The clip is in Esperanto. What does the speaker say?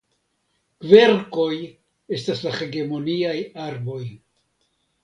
Kverkoj estas la hegemoniaj arboj.